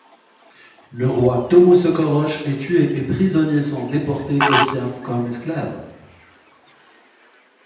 Le roi Thommo Soccoroch est tué et prisonniers sont déportés au Siam comme esclaves.